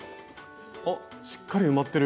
おっしっかり埋まってる。